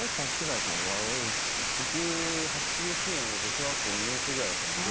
僕８９年だと小学校２年生ぐらいだったんで。